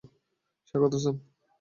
স্বাগতম, স্যার।